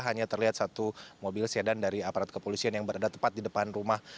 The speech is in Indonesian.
hanya terlihat satu mobil sedan dari aparat kepolisian yang berada tepat di depan rumah